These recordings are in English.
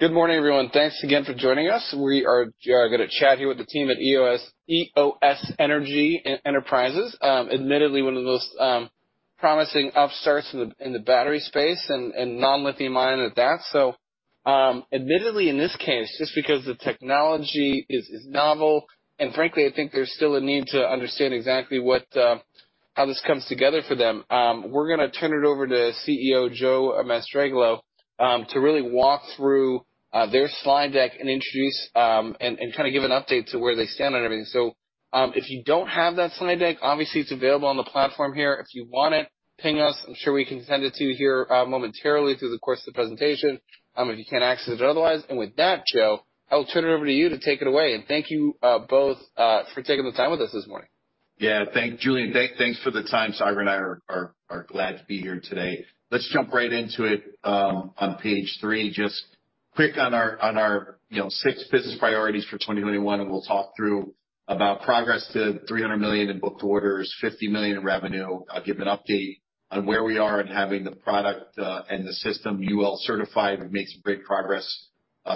Good morning, everyone. Thanks again for joining us. We are going to chat here with the team at Eos Energy Enterprises, admittedly one of the most promising upstarts in the battery space, and non-lithium-ion at that. Admittedly, in this case, just because the technology is novel, and frankly, I think there's still a need to understand exactly how this comes together for them. We're going to turn it over to CEO Joe Mastrangelo to really walk through their slide deck and introduce, and give an update to where they stand on everything. If you don't have that slide deck, obviously it's available on the platform here. If you want it, ping us. I'm sure wecan send it to you here momentarily through the course of the presentation, if you can't access it otherwise. With that, Joe, I'll turn it over to you to take it away. Thank you both for taking the time with us this morning. Thanks, Julian. Thanks for the time. Sagar and I are glad to be here today. Let's jump right into it on page three. Just quick on our six business priorities for 2021. We'll talk through about progress to $300 million in booked orders, $50 million in revenue. I'll give an update on where we are in having the product and the system UL-certified. We've made some great progress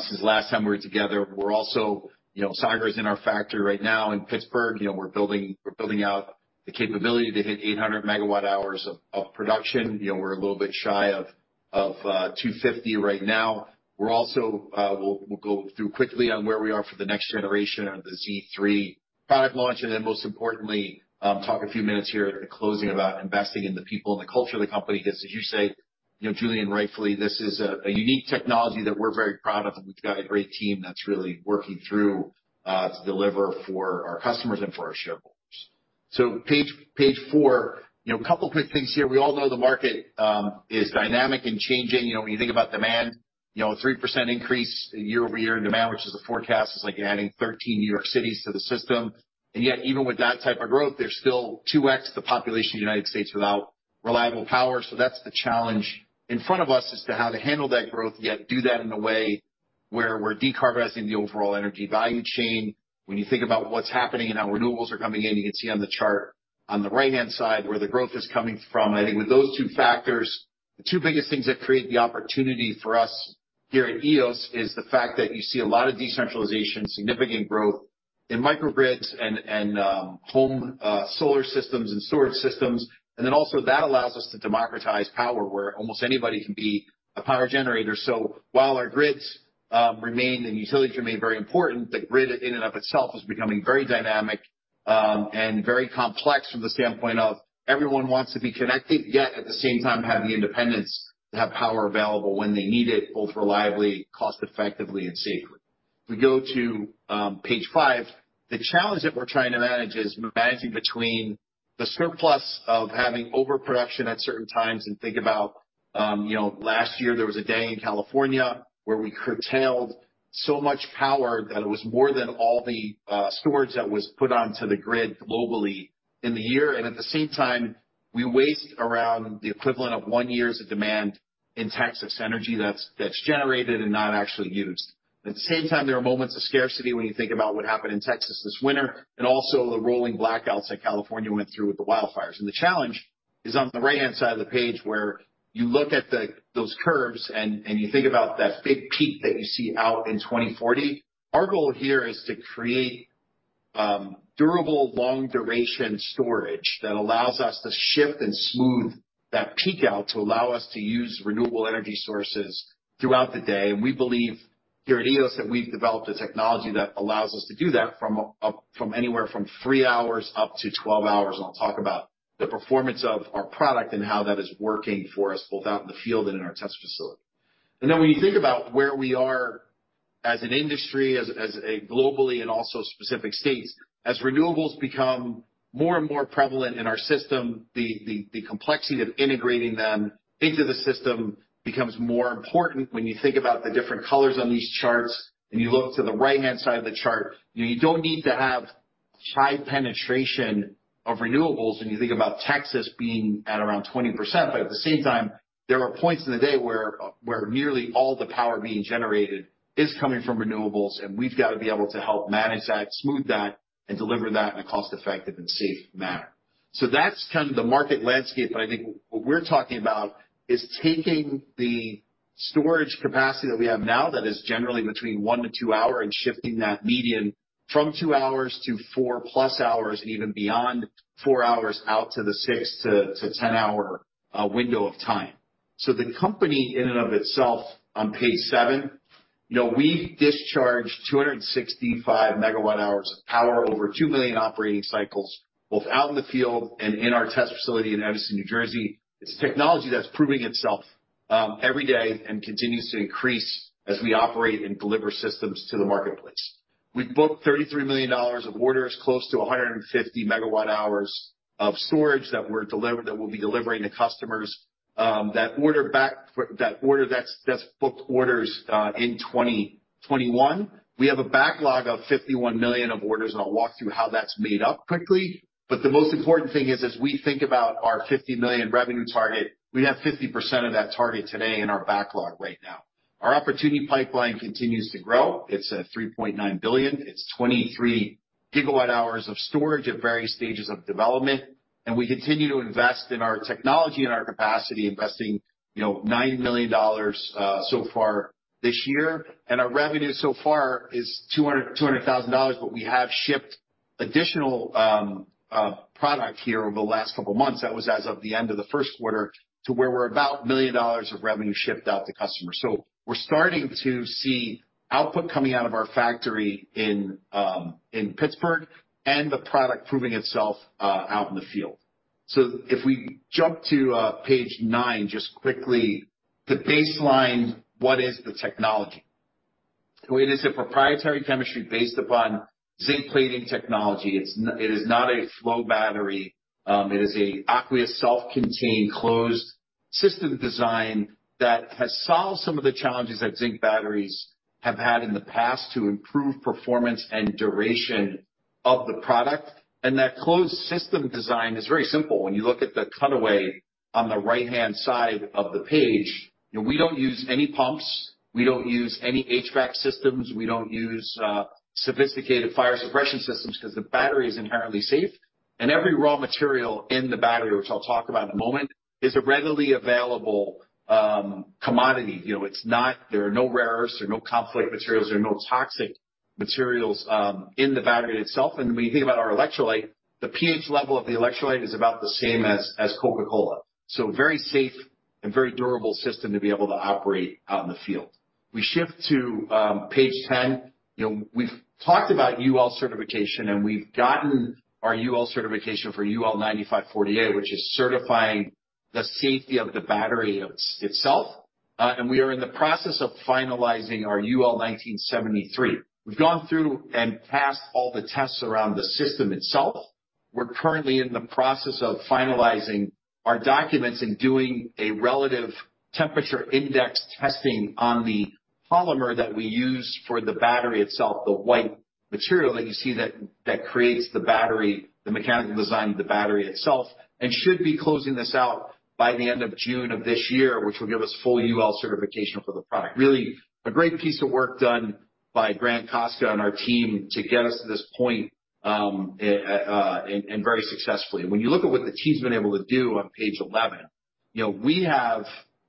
since last time we were together. We're also, Sagar's in our factory right now in Pittsburgh. We're building out the capability to hit 800 MWh of production. We're a little bit shy of 250 MWh right now. We'll go through quickly on where we are for the next generation of the Z3 product launch. Most importantly, talk a few minutes here at the closing about investing in the people and the culture of the company. As you say, Julian, rightfully, this is a unique technology that we're very proud of, and we've got a great team that's really working through to deliver for our customers and for our shareholders. Page four, a couple quick things here. We all know the market is dynamic and changing. When you think about demand, a 3% increase year-over-year in demand, which is the forecast, is like adding 13 New York Cities to the system. Yet, even with that type of growth, there's still 2x the population of the U.S. without reliable power. That's the challenge in front of us is to how to handle that growth, yet do that in a way where we're decarbonizing the overall energy value chain. When you think about what's happening now, renewables are coming in. You can see on the chart on the right-hand side where the growth is coming from. I think with those two factors, the two biggest things that create the opportunity for us here at Eos is the fact that you see a lot of decentralization, significant growth in microgrids, and home solar systems and storage systems. Then also that allows us to democratize power where almost anybody can be a power generator. While our grids remain, and utilities remain very important, the grid in and of itself is becoming very dynamic and very complex from the standpoint of everyone wants to be connected, yet at the same time, have the independence to have power available when they need it, both reliably, cost-effectively, and safely. If we go to page five, the challenge that we're trying to manage is managing between the surplus of having overproduction at certain times and think about last year, there was a day in California where we curtailed so much power that it was more than all the storage that was put onto the grid globally in the year. At the same time, we waste around the equivalent of one year's demand in Texas energy that's generated and not actually used. At the same time, there are moments of scarcity when you think about what happened in Texas this winter and also the rolling blackouts that California went through with the wildfires. The challenge is on the right-hand side of the page where you look at those curves, and you think about that big peak that you see out in 2040. Our goal here is to create durable, long-duration storage that allows us to shift and smooth that peak out to allow us to use renewable energy sources throughout the day. We believe here at Eos that we've developed a technology that allows us to do that from anywhere from three hours up to 12 hours. I'll talk about the performance of our product and how that is working for us both out in the field and in our test facility. When you think about where we are as an industry, globally and also specific states, as renewables become more and more prevalent in our system, the complexity of integrating them into the system becomes more important. When you think about the different colors on these charts, and you look to the right-hand side of the chart, you don't need to have high penetration of renewables when you think about Texas being at around 20%. At the same time, there are points in the day where nearly all the power being generated is coming from renewables, and we've got to be able to help manage that, smooth that, and deliver that in a cost-effective and safe manner. That's kind of the market landscape. I think what we're talking about is taking the storage capacity that we have now, that is generally between one to two hours, and shifting that median from two hours to four-plus hours, even beyond four hours out to the 6-10-hour window of time. The company in and of itself on page seven, we've discharged 265 MWh of power over 2 million operating cycles, both out in the field and in our test facility in Edison, New Jersey. It's technology that's proving itself every day and continues to increase as we operate and deliver systems to the marketplace. We've booked $33 million of orders, close to 150 MWh of storage that we'll be delivering to customers. That's booked orders in 2021. We have a backlog of $51 million of orders, and I'll walk through how that's made up quickly. The most important thing is, as we think about our $50 million revenue target, we have 50% of that target today in our backlog right now. Our opportunity pipeline continues to grow. It's at $3.9 billion. It's 23 GWh of storage at various stages of development. We continue to invest in our technology and our capacity, investing $9 million so far this year. Our revenue so far is $200,000, but we have shipped additional product here over the last couple of months. That was as of the end of the first quarter to where we're about $1 million of revenue shipped out to customers. We're starting to see output coming out of our factory in Pittsburgh and the product proving itself out in the field. If we jump to page nine just quickly, the baseline, what is the technology? It is a proprietary chemistry based upon zinc-plating technology. It is not a flow battery. It is an aqueous, self-contained, closed system design that has solved some of the challenges that zinc batteries have had in the past to improve performance and duration of the product. That closed system design is very simple. When you look at the cutaway on the right-hand side of the page, we don't use any pumps. We don't use any HVAC systems. We don't use sophisticated fire suppression systems because the battery is inherently safe. Every raw material in the battery, which I'll talk about in one moment, is a readily available commodity. There are no rares, there are no conflict materials, there are no toxic materials in the battery itself. When you think about our electrolyte, the pH level of the electrolyte is about the same as Coca-Cola. Very safe and very durable system to be able to operate out in the field. We shift to page 10. We've talked about UL certification, we've gotten our UL certification for UL 9540A, which is certifying the safety of the battery itself. We are in the process of finalizing our UL 1973. We've gone through and passed all the tests around the system itself. We're currently in the process of finalizing our documents and doing a Relative Thermal Index testing on the polymer that we use for the battery itself, the white material that you see that creates the battery, the mechanical design of the battery itself, and should be closing this out by the end of June of this year, which will give us full UL certification for the product. Really a great piece of work done by Grant Costa and our team to get us to this point and very successfully. When you look at what the team's been able to do on page 11, we have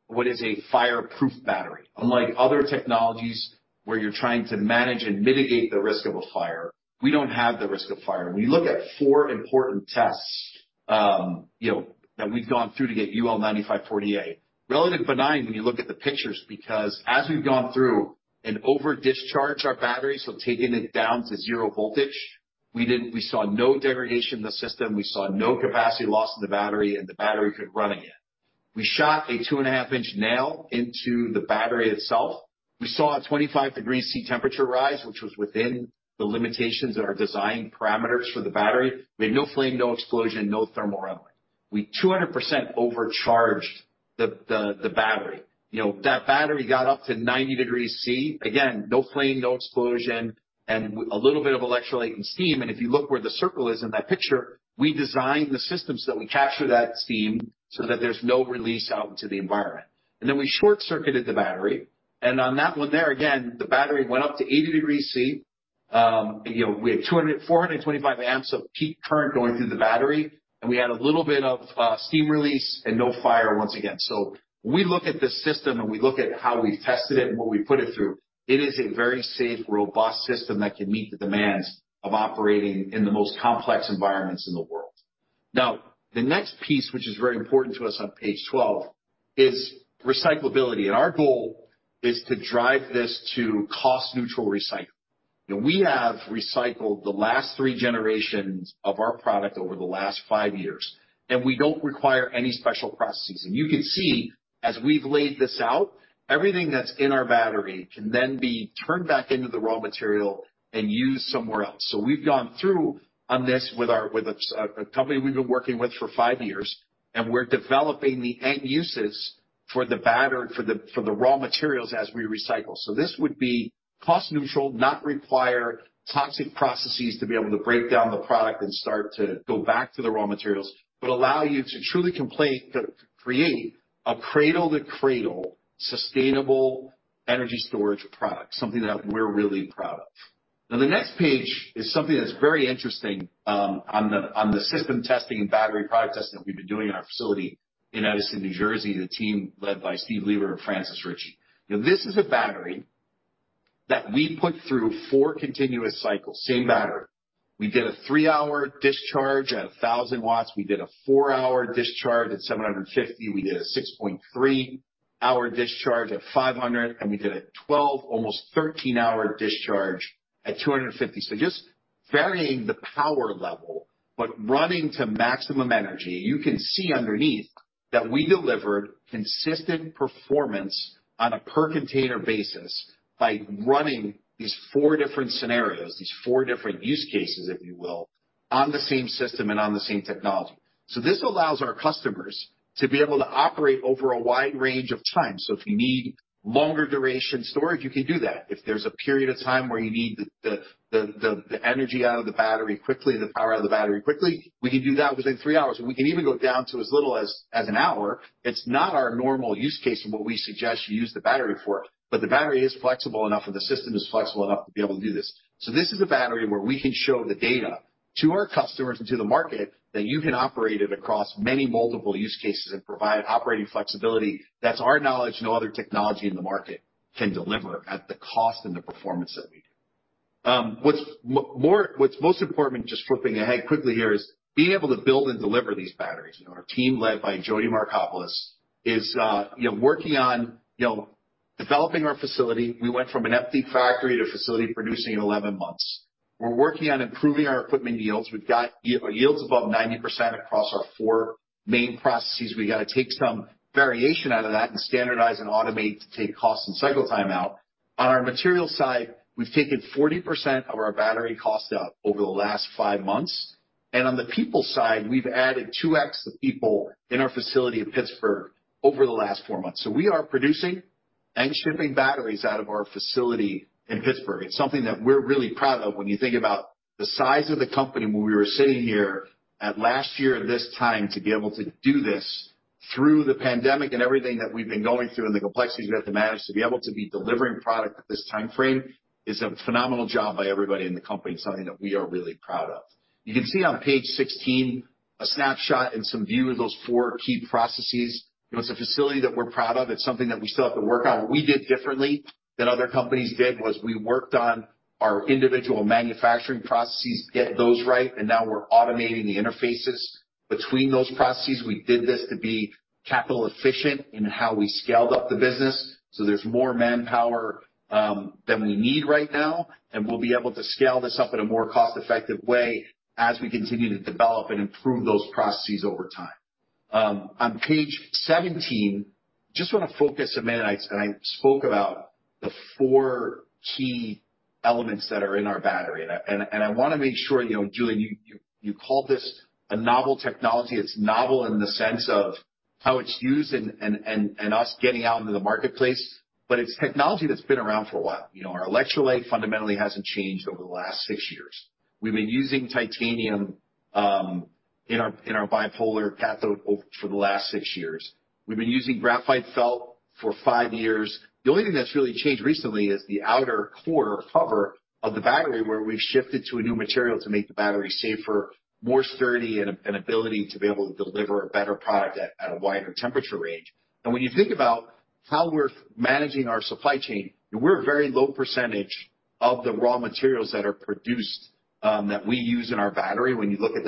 what is a fireproof battery. Unlike other technologies where you're trying to manage and mitigate the risk of a fire, we don't have the risk of fire. When you look at four important tests that we've gone through to get UL 9540A, relative benign when you look at the pictures, because as we've gone through and over discharged our battery, so taking it down to zero voltage, we saw no degradation in the system. We saw no capacity loss in the battery, and the battery kept running it. We shot a 2.5-in nail into the battery itself. We saw a 25 degrees C temperature rise, which was within the limitations of our design parameters for the battery. We had no flame, no explosion, no thermal runaway. We 200% overcharged the battery. That battery got up to 90 degrees C. Again, no flame, no explosion, and a little bit of electrolyte and steam. If you look where the circle is in that picture, we designed the system so that we capture that steam so that there's no release out into the environment. We short-circuited the battery. On that one there again, the battery went up to 80 degrees C. We had 425 amps of peak current going through the battery, and we had a little bit of steam release and no fire once again. When we look at the system and we look at how we've tested it and what we put it through, it is a very safe, robust system that can meet the demands of operating in the most complex environments in the world. The next piece, which is very important to us on page 12, is recyclability. Our goal is to drive this to cost neutral recycling. We have recycled the last three generations of our product over the last five years, and we don't require any special processes. You can see as we've laid this out, everything that's in our battery can then be turned back into the raw material and used somewhere else. We've gone through on this with a company we've been working with for five years, and we're developing the end uses for the raw materials as we recycle. This would be cost neutral, not require toxic processes to be able to break down the product and start to go back to the raw materials, but allow you to truly create a cradle-to-cradle sustainable energy storage product, something that we're really proud of. The next page is something that's very interesting on the system testing and battery product testing that we've been doing in our facility in Edison, New Jersey, the team led by Steve Lever and Francis Richey. This is a battery that we put through four continuous cycles, same battery. We did a three hour discharge at 1,000 W. We did a four hour discharge at 750 W. We did a 6.3 hour discharge at 500 W, and we did a 12, almost 13 hour discharge at 250 W. Just varying the power level, but running to maximum energy. You can see underneath that we delivered consistent performance on a per container basis by running these four different scenarios, these four different use cases, if you will, on the same system and on the same technology. This allows our customers to be able to operate over a wide range of time. If you need longer duration storage, you can do that. If there's a period of time where you need the energy out of the battery quickly, the power out of the battery quickly, we can do that within three hours, and we can even go down to as little as an hour. It's not our normal use case and what we suggest you use the battery for it, but the battery is flexible enough and the system is flexible enough to be able to do this. This is a battery where we can show the data to our customers and to the market that you can operate it across many multiple use cases and provide operating flexibility. That's our knowledge no other technology in the market can deliver at the cost and the performance that we do. What's most important, just flipping ahead quickly here, is being able to build and deliver these batteries. Our team led by Jody Markopoulos is working on developing our facility. We went from an empty factory to a facility producing in 11 months. We're working on improving our equipment yields. We've got yields above 90% across our four main processes. We got to take some variation out of that and standardize and automate to take cost and cycle time out. On our material side, we've taken 40% of our battery cost out over the last five months. On the people side, we've added 2x the people in our facility in Pittsburgh over the last four months. We are producing and shipping batteries out of our facility in Pittsburgh. It's something that we're really proud of when you think about the size of the company when we were sitting here at last year this time, to be able to do this through the pandemic and everything that we've been going through and the complexities we have to manage to be able to be delivering product at this timeframe is a phenomenal job by everybody in the company. It is something that we are really proud of. You can see on page 16 a snapshot and some view of those four key processes. It's a facility that we're proud of. It's something that we still have to work on. What we did differently than other companies did was we worked on our individual manufacturing processes to get those right. Now we're automating the interfaces between those processes. We did this to be capital efficient in how we scaled up the business. There's more manpower than we need right now, and we'll be able to scale this up in a more cost-effective way as we continue to develop and improve those processes over time. On page 17, just want to focus a minute, and I spoke about the four key elements that are in our battery. I want to make sure, Julian, you called this a novel technology. It's novel in the sense of how it's used and us getting out into the marketplace, but it's technology that's been around for a while. Our electrolyte fundamentally hasn't changed over the last six years. We've been using titanium in our bipolar cathode for the last six years. We've been using graphite felt for five years. The only thing that's really changed recently is the outer core cover of the battery, where we've shifted to a new material to make the battery safer, more sturdy, and ability to be able to deliver a better product at a wider temperature range. When you think about how we're managing our supply chain, we're a very low percentage of the raw materials that are produced that we use in our battery when you look at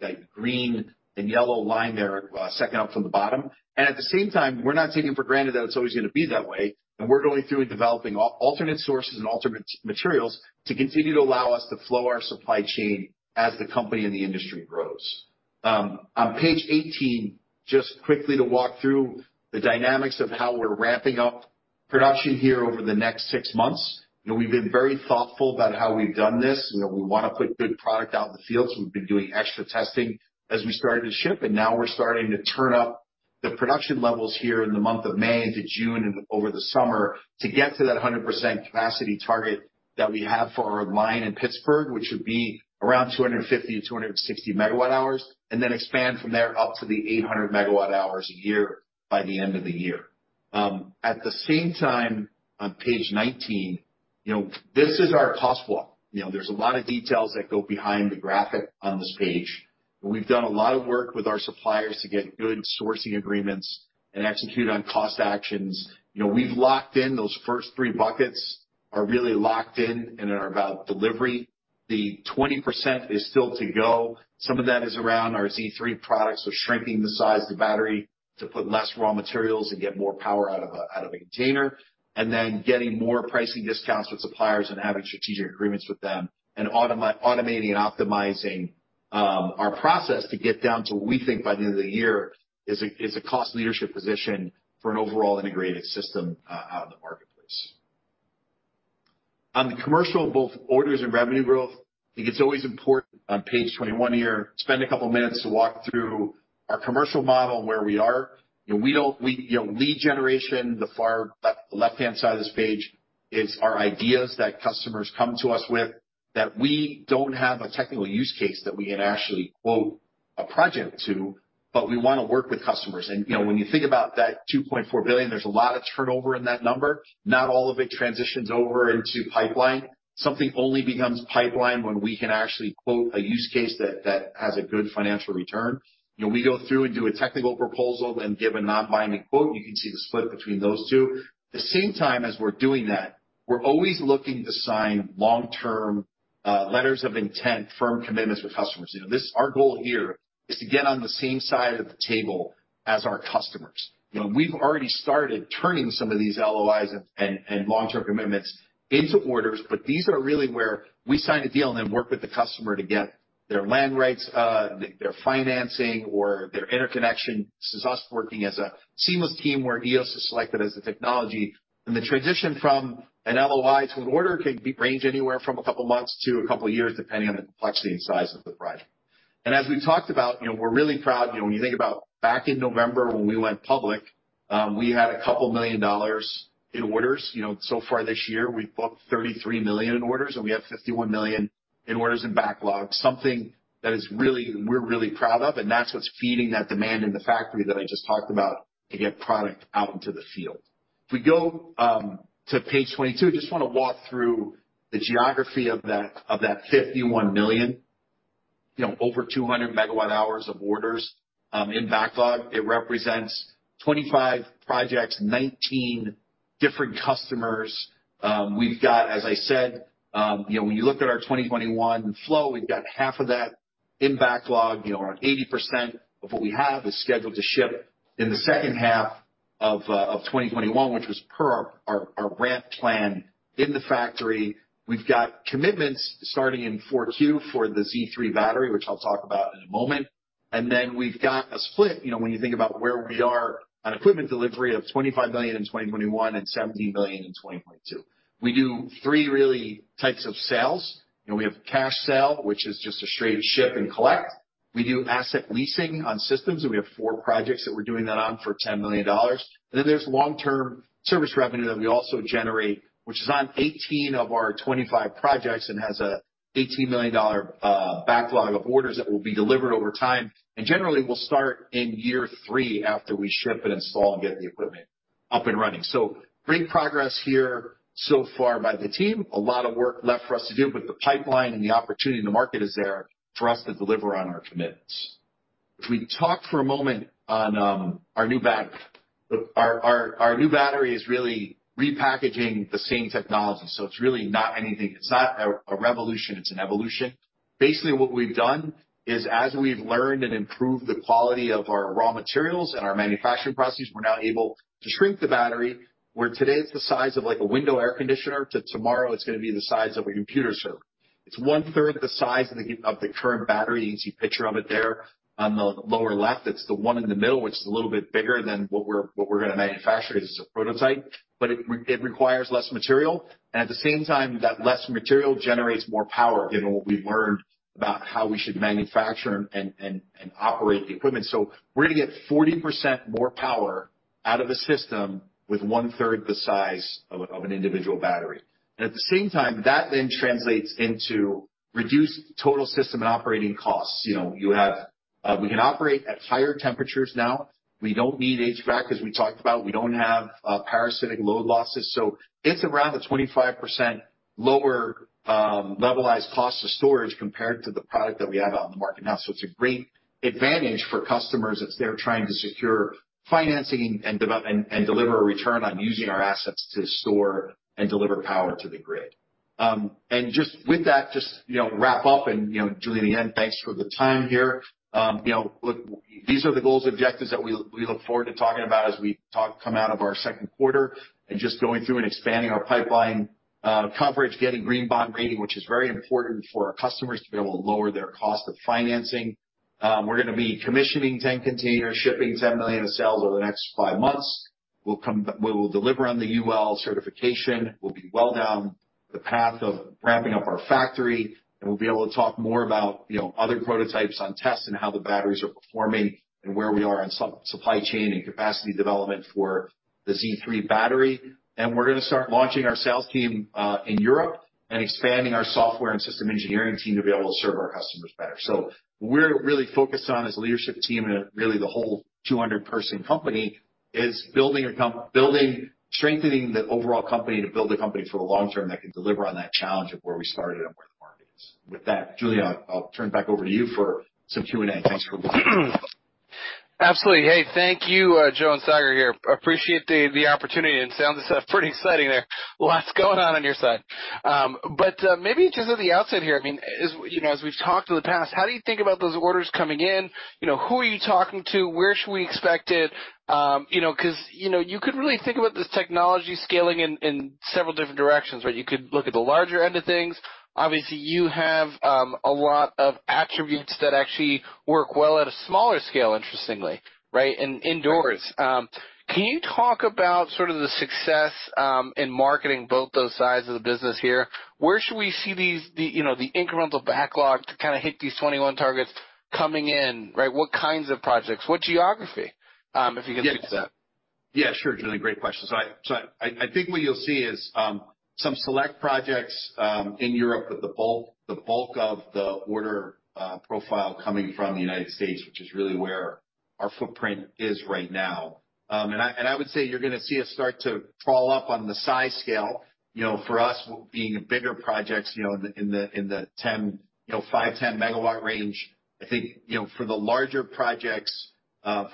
that green and yellow line there, second out from the bottom. At the same time, we're not taking for granted that it's always going to be that way, and we're going through and developing alternate sources and alternate materials to continue to allow us to flow our supply chain as the company and the industry grows. On page 18, just quickly to walk through the dynamics of how we're ramping up production here over the next six months. We've been very thoughtful about how we've done this. We want to put good product out in the field, so we've been doing extra testing as we started to ship. Now we're starting to turn up the production levels here in the month of May into June and over the summer to get to that 100% capacity target that we have for our line in Pittsburgh, which would be around 250-260 MWh, and then expand from there up to the 800 MWh a year by the end of the year. At the same time, on page 19, this is our cost walk. There's a lot of details that go behind the graphic on this page. We've done a lot of work with our suppliers to get good sourcing agreements and execute on cost actions. We've locked in those first three buckets are really locked in and are about delivery. The 20% is still to go. Some of that is around our Z3 products. We're shrinking the size of the battery to put less raw materials and get more power out of a container, and then getting more pricing discounts with suppliers and having strategic agreements with them and automating, optimizing our process to get down to what we think by the end of the year is a cost leadership position for an overall integrated system out in the marketplace. On the commercial, both orders and revenue growth, I think it's always important on page 21 here, spend a couple of minutes to walk through our commercial model and where we are. Lead generation, the far left-hand side of this page is our ideas that customers come to us with that we don't have a technical use case that we can actually quote a project to, but we want to work with customers. When you think about that $2.4 billion, there's a lot of turnover in that number. Not all of it transitions over into pipeline. Something only becomes pipeline when we can actually quote a use case that has a good financial return. We go through and do a technical proposal and give a non-binding quote. You can see the split between those two. At the same time as we're doing that, we're always looking to sign long-term Letters of Intent, firm commitments with customers. Our goal here is to get on the same side of the table as our customers. We've already started turning some of these LOIs and long-term commitments into orders, but these are really where we sign a deal and then work with the customer to get their land rights, their financing, or their interconnection. This is us working as a seamless team where Eos is selected as the technology. The transition from an LOI to an order can range anywhere from a couple of months to a couple of years, depending on the complexity and size of the project. As we talked about, we're really proud. When you think about back in November when we went public, we had a couple million dollars in orders. So far this year, we've booked $33 million in orders, and we have $51 million in orders in backlog. Something that we're really proud of, and that's what's feeding that demand in the factory that I just talked about to get product out into the field. We go to page 22, just want to walk through the geography of that $51 million. Over 200 MWh of orders in backlog, it represents 25 projects, 19 different customers. We've got, as I said, when you look at our 2021 flow, we've got half of that in backlog. Around 80% of what we have is scheduled to ship in the second half of 2021, which was per our ramp plan in the factory. We've got commitments starting in Q4 for the Z3 battery, which I'll talk about in a moment. We've got a split, when you think about where we are on equipment delivery of $25 million in 2021 and $17 million in 2022. We do three really types of sales. We have cash sale, which is just a straight ship and collect. We do asset leasing on systems. We have four projects that we're doing that on for $10 million. Then there's long-term service revenue that we also generate, which is on 18 of our 25 projects and has a $18 million backlog of orders that will be delivered over time. Generally, we'll start in year three after we ship and install and get the equipment up and running. Great progress here so far by the team. A lot of work left for us to do. The pipeline and the opportunity in the market is there for us to deliver on our commitments. If we talk for a moment on our new battery, look, our new battery is really repackaging the same technology. It's really not anything, it's not a revolution, it's an evolution. Basically what we've done is as we've learned and improved the quality of our raw materials and our manufacturing processes, we're now able to shrink the battery, where today it's the size of a window air conditioner, to tomorrow it's going to be the size of a computer server. It's 1/3 the size of the current battery, as you picture on it there on the lower left. It's the one in the middle, which is a little bit bigger than what we're going to manufacture. This is a prototype, but it requires less material, and at the same time, that less material generates more power than what we've learned about how we should manufacture and operate the equipment. We're going to get 40% more power out of a system with 1/3 the size of an individual battery. At the same time, that translates into reduced total system operating costs. We can operate at higher temperatures now. We don't need HVAC, as we talked about. We don't have parasitic load losses. It's around a 25% lower Levelized Cost of Storage compared to the product that we have out in the market now. It's a great advantage for customers as they're trying to secure financing and deliver a return on using our assets to store and deliver power to the grid. Just with that, just wrap up and Julian, again, thanks for the time here. Look, these are the goals and objectives that we look forward to talking about as we come out of our second quarter and just going through and expanding our pipeline coverage, getting green bond rating, which is very important for our customers to be able to lower their cost of financing. We're going to be commissioning 10 containers, shipping $10 million of sales over the next five months. We will deliver on the UL certification. We'll be well down the path of ramping up our factory, and we'll be able to talk more about other prototypes on test and how the batteries are performing and where we are on supply chain and capacity development for the Z3 battery. We're going to start launching our sales team in Europe and expanding our software and system engineering team to be able to serve our customers better. What we're really focused on as a leadership team and really the whole 200-person company, is strengthening the overall company to build a company for the long-term that can deliver on that challenge of where we started and where the market is. With that, Julian, I'll turn it back over to you for some Q&A. Thanks for blocking with us. Absolutely. Hey, thank you, Joe Mastrangelo, here. Appreciate the opportunity, and it sounds pretty exciting there. Lots going on on your side. Maybe just on the outset here, as we've talked in the past, how do you think about those orders coming in? Who are you talking to? Where should we expect it? Because you could really think about this technology scaling in several different directions, right? You could look at the larger end of things. Obviously, you have a lot of attributes that actually work well at a smaller scale, interestingly, right? And indoors. Can you talk about sort of the success in marketing both those sides of the business here? Where should we see the incremental backlog to kind of hit these 2021 targets coming in, right? What kinds of projects? What geography? If you can- Yeah, sure, Julian, great question. I think what you'll see is some select projects in Europe, but the bulk of the order profile coming from the U.S., which is really where our footprint is right now. I would say you're going to see us start to crawl up on the size scale. For us, being bigger projects in the 5-10 MW range. I think for the larger projects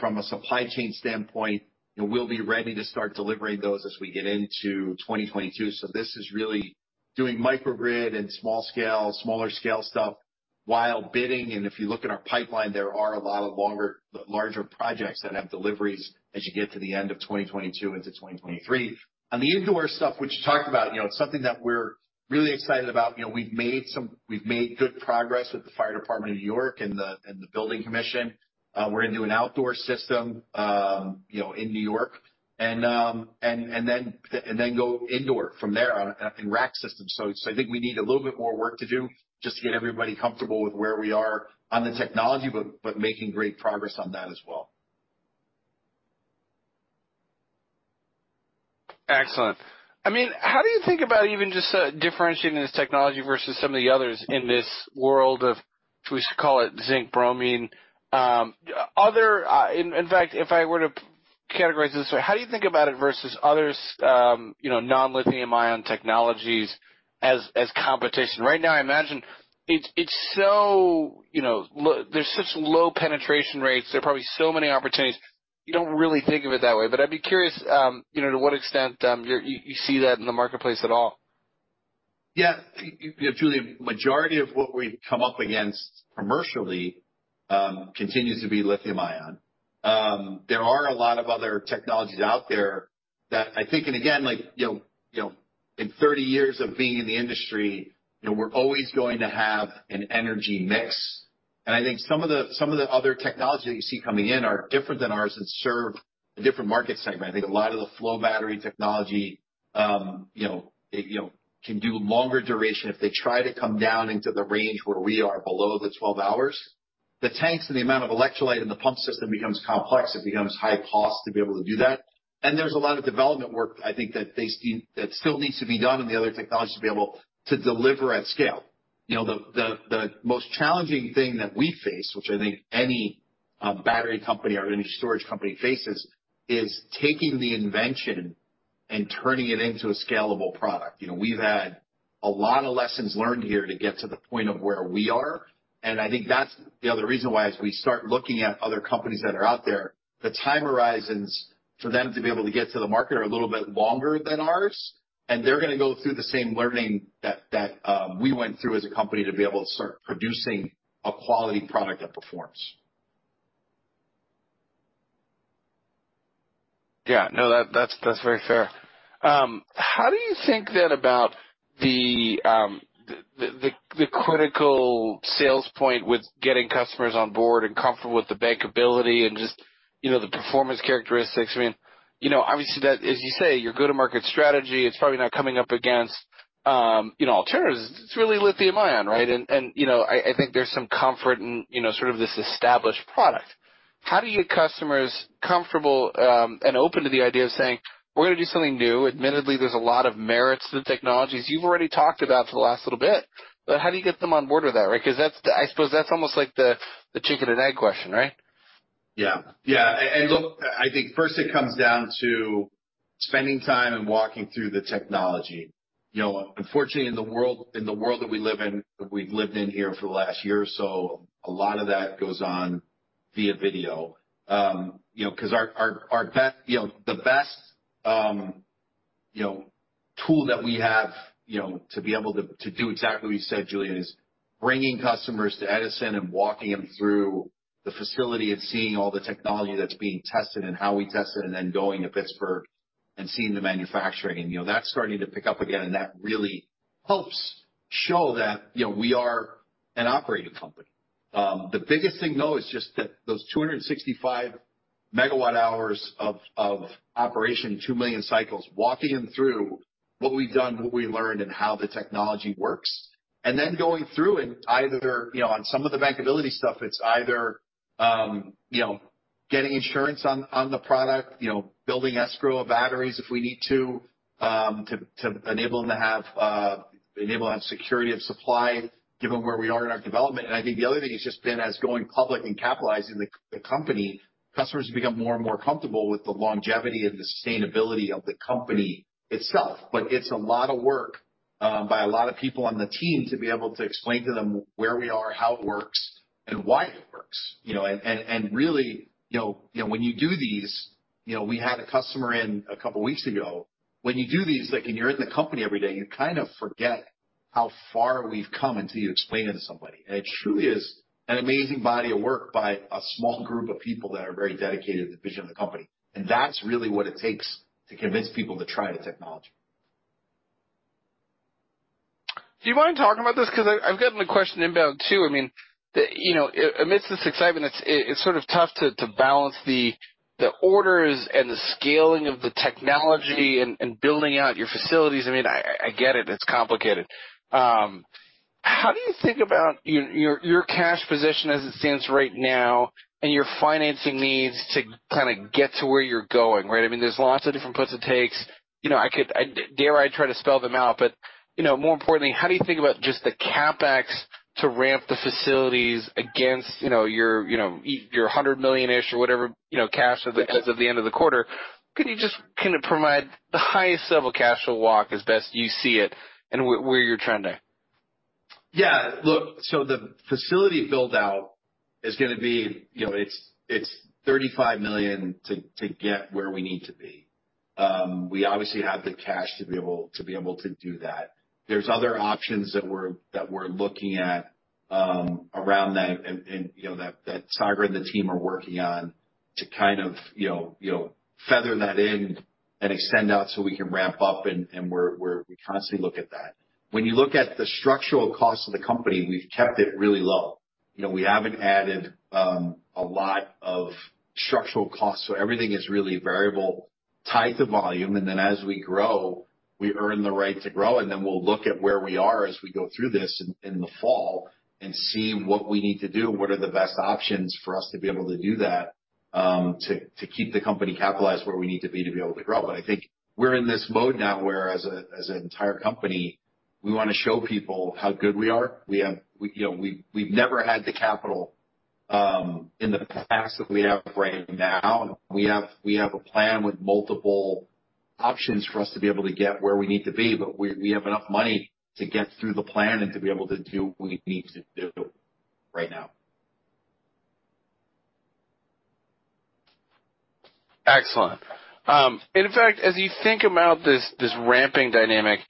from a supply chain standpoint, we'll be ready to start delivering those as we get into 2022. This is really doing microgrid and smaller scale stuff while bidding, and if you look at our pipeline, there are a lot of larger projects that have deliveries as you get to the end of 2022 into 2023. On the indoor stuff, which you talked about, something that we're really excited about. We've made good progress with the Fire Department of New York and the building commission. We're going to do an outdoor system in New York and then go indoor from there in rack systems. I think we need a little bit more work to do just to get everybody comfortable with where we are on the technology, but making great progress on that as well. Excellent. How do you think about even just differentiating this technology versus some of the others. We should call it zinc bromine. If I were to characterize this, how do you think about it versus others, non-lithium-ion technologies as competition? I imagine there's such low penetration rates, there are probably so many opportunities, you don't really think of it that way. I'd be curious, to what extent you see that in the marketplace at all. Julian, the majority of what we've come up against commercially continues to be lithium-ion. There are a lot of other technologies out there that I think, and again, in 30 years of being in the industry, we're always going to have an energy mix. I think some of the other technology that you see coming in are different than ours and serve a different market segment. I think a lot of the flow battery technology can do longer duration. If they try to come down into the range where we are below the 12 hours, the tanks and the amount of electrolyte in the pump system becomes complex. It becomes high cost to be able to do that. There's a lot of development work I think that still needs to be done in the other technology to be able to deliver at scale. The most challenging thing that we face, which I think any battery company or energy storage company faces, is taking the invention and turning it into a scalable product. We've had a lot of lessons learned here to get to the point of where we are, and I think that's the other reason why, as we start looking at other companies that are out there, the time horizons for them to be able to get to the market are a little bit longer than ours, and they're going to go through the same learning that we went through as a company to be able to start producing a quality product that performs. Yeah. No, that's very fair. How do you think then about the critical sales point with getting customers on board and comfortable with the bankability and just the performance characteristics? Obviously, as you say, your go-to-market strategy is probably not coming up against alternatives. It's really lithium-ion, right? I think there's some comfort in sort of this established product. How do you get customers comfortable and open to the idea of saying, we're going to do something new? Admittedly, there's a lot of merits to the technologies you've already talked about for the last little bit, but how do you get them on board with that, right? Because I suppose that's almost like the chicken and egg question, right? Yeah. Look, I think first it comes down to spending time and walking through the technology. Unfortunately, in the world that we live in, we've lived in here for the last year or so, a lot of that goes on via video. The best tool that we have to be able to do exactly what you said, Julian, is bringing customers to Edison and walking them through the facility of seeing all the technology that's being tested and how we test it, and then going to Pittsburgh and seeing the manufacturing. That's starting to pick up again, and that really helps show that we are an operating company. The biggest thing, though, is just that those 265 MWh of operation and two million cycles, walking them through what we've done, what we learned, and how the technology works. Going through and either on some of the bankability stuff, it's either getting insurance on the product, building escrow batteries if we need to enable them to have security of supply given where we are in our development. I think the other thing has just been as going public and capitalizing the company, customers become more and more comfortable with the longevity and the sustainability of the company itself. It's a lot of work by a lot of people on the team to be able to explain to them where we are, how it works, and why it works. Really, when you do these, we had a customer in a couple of weeks ago, when you do these, and you're in the company every day, you kind of forget how far we've come until you explain it to somebody. It truly is an amazing body of work by a small group of people that are very dedicated to the vision of the company, and that's really what it takes to convince people to try the technology. Do you mind talking about this? I've got another question inbound, too. Amidst this excitement, it's sort of tough to balance the orders and the scaling of the technology and building out your facilities. I get it. It's complicated. How do you think about your cash position as it stands right now and your financing needs to kind of get to where you're going, right? There's lots of different puts and takes. Dare I try to spell them out, more importantly, how do you think about just the CapEx to ramp the facilities against your 100 million-ish or whatever cash as of the end of the quarter? Can you just kind of provide the highest level cash flow walk as best you see it and where you're trending? Yeah. Look, the facility build-out is going to be, it's $35 million to get where we need to be. We obviously have the cash to be able to do that. There's other options that we're looking at around that and that Sagar and the team are working on to kind of feather that in and extend out so we can ramp up. We're constantly look at that. When you look at the structural cost of the company, we've kept it really low. We haven't added a lot of structural cost, so everything is really variable, tied to volume, and then as we grow, we earn the right to grow, and then we'll look at where we are as we go through this in the fall and see what we need to do, what are the best options for us to be able to do that. To keep the company capitalized where we need to be to be able to grow. I think we're in this mode now where as an entire company, we want to show people how good we are. We've never had the capital in the past that we have right now. We have a plan with multiple options for us to be able to get where we need to be, but we have enough money to get through the plan and to be able to do what we need to do right now. Excellent. In fact, as you think about this ramping dynamic,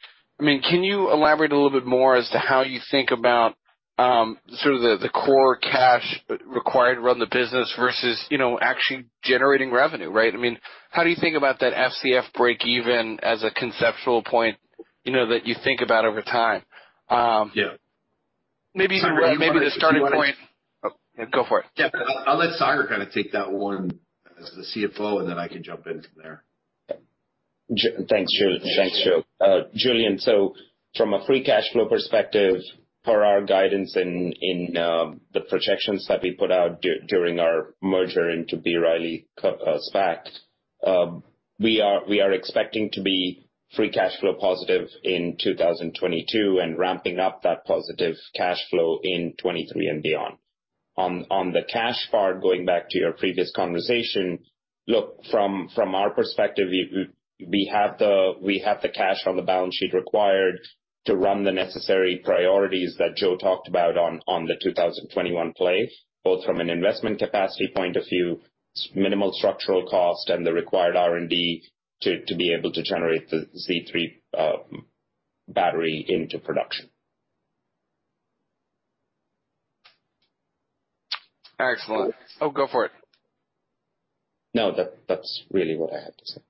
can you elaborate a little bit more as to how you think about sort of the core cash required to run the business versus actually generating revenue, right? How do you think about that FCF breakeven as a conceptual point that you think about over time? Yeah. Maybe the starting point. Go for it. Yeah. I'll let Sagar kind of take that one as the CFO, and then I can jump in from there. Thanks, Joe. Julian, from a free cash flow perspective for our guidance in the protections that we put out during our merger into B. Riley SPAC, we are expecting to be free cash flow positive in 2022 and ramping up that positive cash flow in 2023 and beyond. On the cash part, going back to your previous conversation, look, from our perspective, we have the cash on the balance sheet required to run the necessary priorities that Joe talked about on the 2021 play, both from an investment capacity point of view, minimal structural cost, and the required R&D to be able to generate the Z3 battery into production. Excellent. Oh, go for it. No, that's really what I had to say.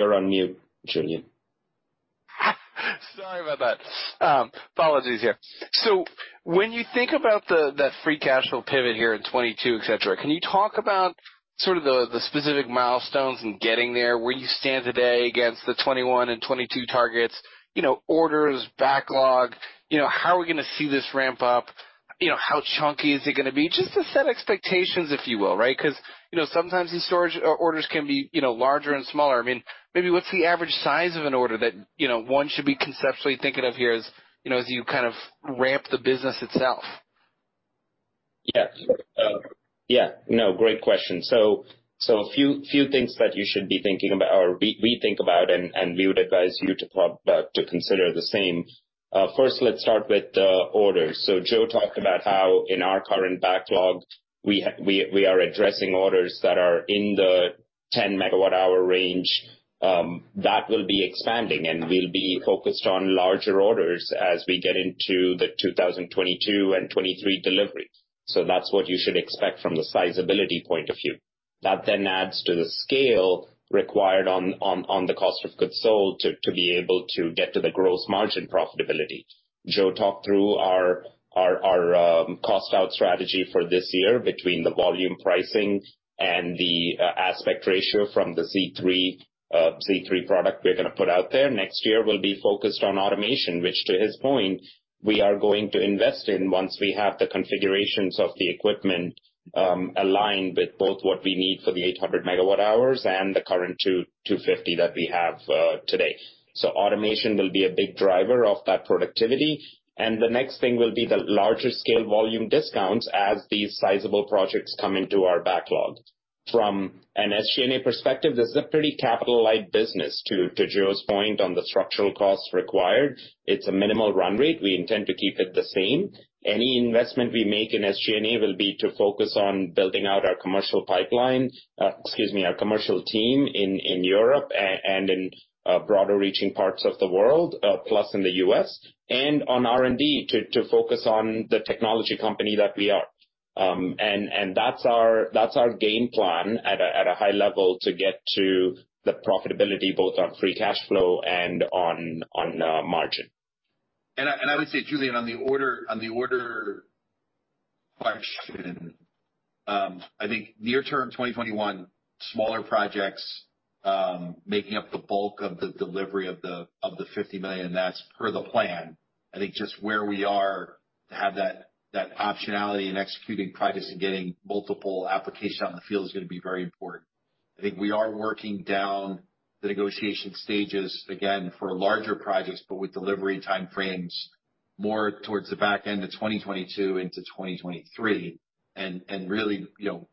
You're on mute, Julian. Sorry about that. Apologies here. When you think about that free cash flow pivot here in 2022, etc, can you talk about sort of the specific milestones in getting there, where you stand today against the 2021 and 2022 targets, orders, backlog? How are we going to see this ramp up? How chunky is it going to be? Just to set expectations, if you will, right? Because sometimes these storage orders can be larger and smaller. Maybe what's the average size of an order that one should be conceptually thinking of here as you kind of ramp the business itself? Yeah. No, great question. A few things that you should be thinking about, or we think about and we would advise you to consider the same. First, let's start with the orders. Joe talked about how in our current backlog, we are addressing orders that are in the 10-MWh range. That will be expanding, and we'll be focused on larger orders as we get into the 2022 and 2023 deliveries. That's what you should expect from the sizeability point of view. That then adds to the scale required on the cost of goods sold to be able to get to the gross margin profitability. Joe talked through our cost-out strategy for this year between the volume pricing and the aspect ratio from the Z3 product we're going to put out there. Next year, we'll be focused on automation, which to his point, we are going to invest in once we have the configurations of the equipment aligned with both what we need for the 800 MWh and the current 250 MWh that we have today. Automation will be a big driver of that productivity. The next thing will be the larger scale volume discounts as these sizable projects come into our backlog. From an SG&A perspective, this is a pretty capital-light business to Joe's point on the structural costs required. It's a minimal run rate. We intend to keep it the same. Any investment we make in SG&A will be to focus on building out our commercial pipeline, excuse me, our commercial team in Europe and in broader reaching parts of the world, plus in the U.S., and on R&D to focus on the technology company that we are. That's our game plan at a high level to get to the profitability both on free cash flow and on margin. I would say, Julian, on the order question, I think near term 2021, smaller projects making up the bulk of the delivery of the $50 million, that's per the plan. I think just where we are to have that optionality in executing projects and getting multiple applications on the field is going to be very important. I think we are working down the negotiation stages again for larger projects, but with delivery timeframes more towards the back end of 2022 into 2023, and really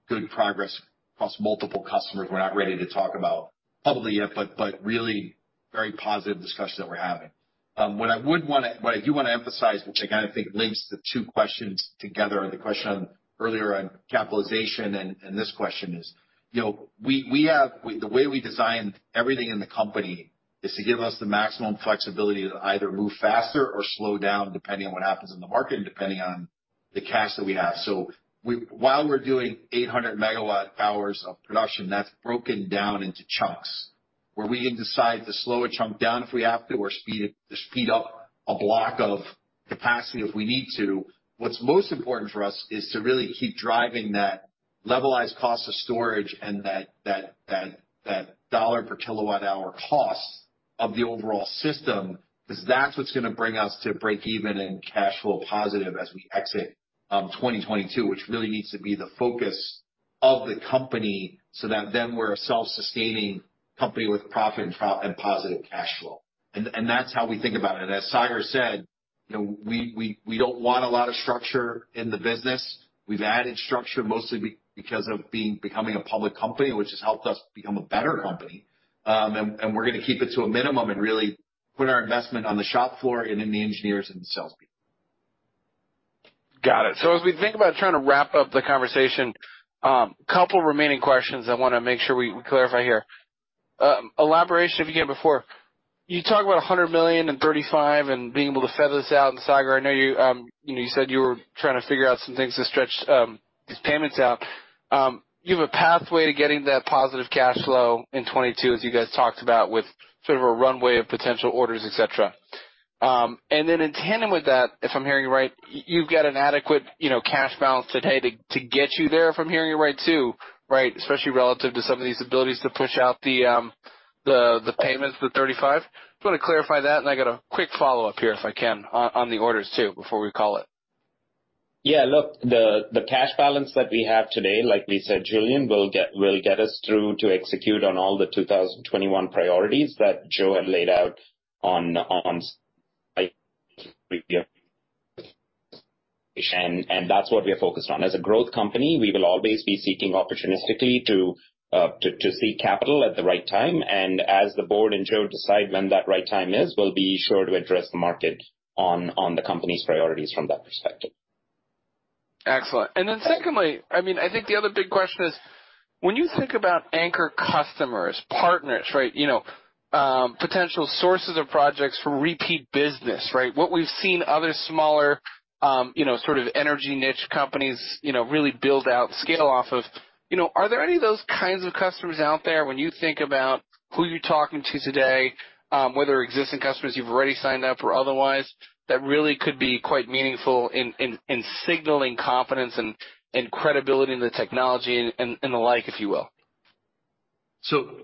good progress across multiple customers we're not ready to talk about publicly yet, but really very positive discussions that we're having. What I do want to emphasize, which I kind of think links the two questions together, the question earlier on capitalization and this question is, the way we designed everything in the company is to give us the maximum flexibility to either move faster or slow down depending on what happens in the market and depending on the cash that we have. While we're doing 800 MWh of production, that's broken down into chunks where we can decide to slow a chunk down if we have to, or speed up a block of capacity if we need to. What's most important for us is to really keep driving that Levelized Cost of Storage and that dollar per kilowatt-hour cost of the overall system, because that's what's going to bring us to break even and cash flow positive as we exit 2022, which really needs to be the focus of the company so that then we're a self-sustaining company with profit and positive cash flow. That's how we think about it. As Sagar Kurada said, we don't want a lot of structure in the business. We've added structure mostly because of becoming a public company, which has helped us become a better company. We're going to keep it to a minimum and really put our investment on the shop floor and in the engineers and the salespeople. Got it. As we think about trying to wrap up the conversation, a couple remaining questions I want to make sure we clarify here. Elaboration, again, before, you talked about $100 million and $35 million and being able to fend this out. Sagar, I know you said you were trying to figure out some things to stretch these payments out. You have a pathway to getting to that positive cash flow in 2022, as you guys talked about, with sort of a runway of potential orders, etc. Then in tandem with that, if I'm hearing you right, you've got an adequate cash balance today to get you there, if I'm hearing you right, too, right? Especially relative to some of these abilities to push out the payments with $35 million. Do you want to clarify that? I got a quick follow-up here, if I can, on the orders too, before we call it. Yeah, look, the cash balance that we have today, like we said, Julian, will get us through to execute on all the 2021 priorities that Joe had laid out. That's what we're focused on. As a growth company, we will always be seeking opportunistically to seek capital at the right time. As the board and Joe decide when that right time is, we'll be sure to address the market on the company's priorities from that perspective. Excellent. Secondly, I think the other big question is, when you think about anchor customers, partners, potential sources of projects for repeat business. What we've seen other smaller, sort of energy niche companies, really build out and scale off of, are there any of those kinds of customers out there when you think about who you're talking to today, whether existing customers you've already signed up or otherwise, that really could be quite meaningful in signaling confidence and credibility in the technology and the like, if you will?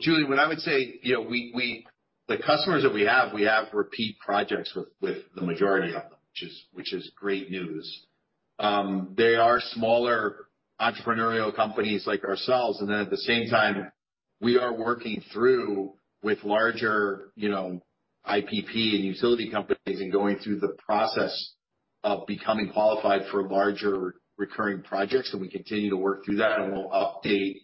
Julian, what I would say, the customers that we have, we have repeat projects with the majority of them, which is great news. They are smaller entrepreneurial companies like ourselves. At the same time, we are working through with larger IPP and utility companies and going through the process of becoming qualified for larger recurring projects, and we continue to work through that. We'll update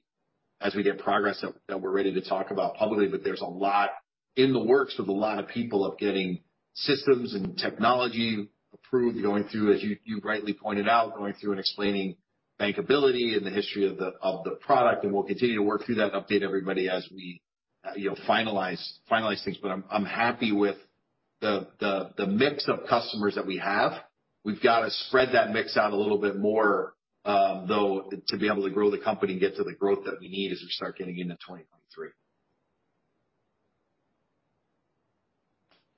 as we get progress that we're ready to talk about publicly. There's a lot in the works with a lot of people of getting systems and technology approved, going through, as you rightly pointed out, going through and explaining bankability and the history of the product. We'll continue to work through that and update everybody as we finalize things. I'm happy with the mix of customers that we have. We've got to spread that mix out a little bit more, though, to be able to grow the company and get to the growth that we need as we start getting into 2023.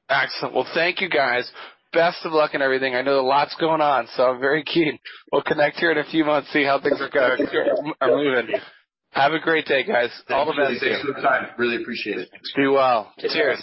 Excellent. Well, thank you, guys. Best of luck on everything. I know there's lots going on, so I'm very keen. We'll connect here in a few months, see how things are going. Sounds good. Have a great day, guys. Thank you for your time. Thanks for the time. Really appreciate it. Be well. Cheers.